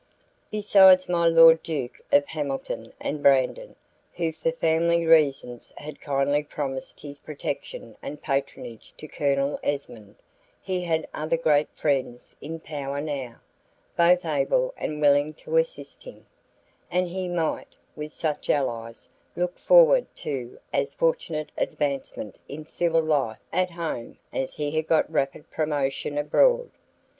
Besides my Lord Duke of Hamilton and Brandon, who for family reasons had kindly promised his protection and patronage to Colonel Esmond, he had other great friends in power now, both able and willing to assist him, and he might, with such allies, look forward to as fortunate advancement in civil life at home as he had got rapid promotion abroad.